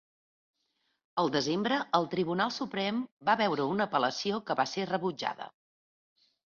El desembre, el tribunal suprem va veure una apel·lació que va ser rebutjada.